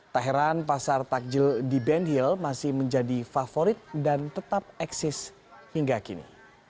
tak heran pasar takjil di benhil masih menjadi favorit dan tetap eksis hingga kini